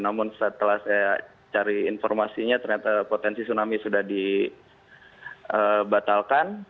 namun setelah saya cari informasinya ternyata potensi tsunami sudah dibatalkan